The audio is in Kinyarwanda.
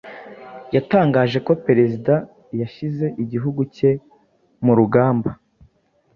yatangaje ko Perezida yashyize igihugu cye mu "rugamba